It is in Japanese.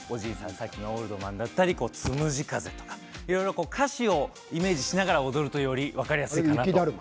先ほどのオールドマンだったりつむじ風とか歌詞をイメージしながら踊るとより分かりやすいなと。